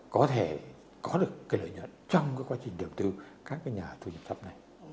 có thể có được cái lợi nhuận trong quá trình đầu tư các nhà thu nhập chấp này